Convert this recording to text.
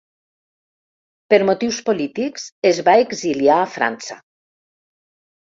Per motius polítics es va exiliar a França.